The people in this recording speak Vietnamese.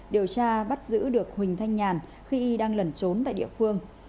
điều tra bắt giữ được huỳnh thanh nhàn khi y đang lẩn trốn tại địa phương